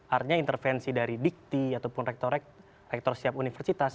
artinya intervensi dari dikti ataupun rektor siap universitas